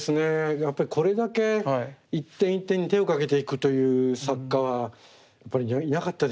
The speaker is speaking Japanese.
やっぱりこれだけ一点一点に手をかけていくという作家はやっぱりいなかったでしょうね。